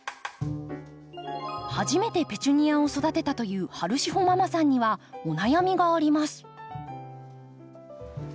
初めてペチュニアを育てたというはるしほママさんにはお悩みがあります。